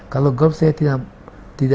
kalau golf saya tidak juga suka